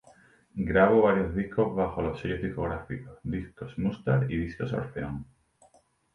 Grabó varios discos bajo los sellos discográficos Discos Musart y Discos Orfeón.